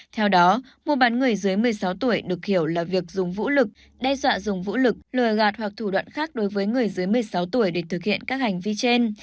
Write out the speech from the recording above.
theo đó mua bán người dưới một mươi sáu tuổi được hiểu là việc dùng vũ lực đe dọa dùng vũ lực lừa gạt hoặc thủ đoạn khác đối với người dưới một mươi sáu tuổi để thực hiện các hành vi trên